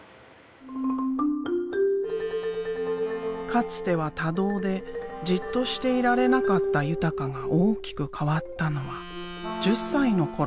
かつては多動でじっとしていられなかった豊が大きく変わったのは１０歳の頃。